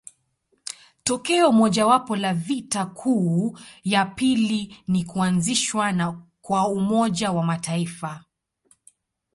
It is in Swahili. Tokeo mojawapo la vita kuu ya pili ni kuanzishwa kwa Umoja wa Mataifa.